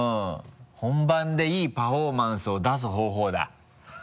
「本番でいいパフォーマンスをだす方法」だ。